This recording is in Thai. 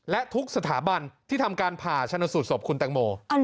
และทุกสถาบันที่ทำการผ่าชนสูตรศพคุณแตงโม